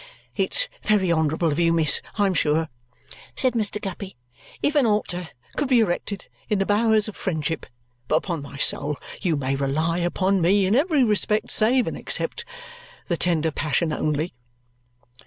"It's very honourable of you, miss, I am sure," said Mr. Guppy. "If an altar could be erected in the bowers of friendship but, upon my soul, you may rely upon me in every respect save and except the tender passion only!"